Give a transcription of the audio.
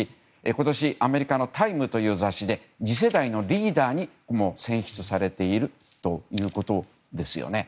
今年アメリカの「タイム」という雑誌で次世代のリーダーにも選出されているということです。